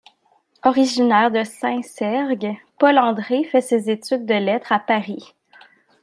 Originaire de Saint-Cergue, Paul André fait ses études de lettres à Paris.